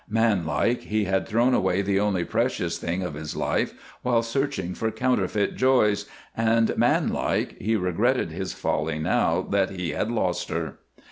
Manlike, he had thrown away the only precious thing of his life while searching for counterfeit joys, and, man like, he regretted his folly now that he had lost her.